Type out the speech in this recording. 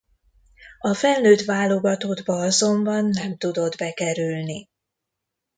A felnőtt válogatottba azonban nem tudott bekerülni.